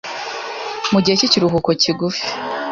Mu gihe cy’ikiruhuko kigufi